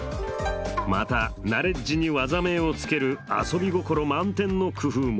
またナレッジに技名をつける遊び心満点の工夫も。